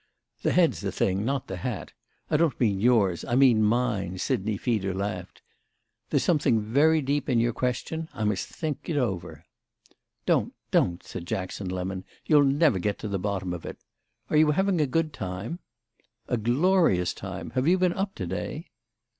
"The head's the thing—not the hat. I don't mean yours—I mean mine," Sidney Feeder laughed. "There's something very deep in your question. I must think it over." "Don't—don't," said Jackson Lemon; "you'll never get to the bottom of it. Are you having a good time?" "A glorious time. Have you been up to day?"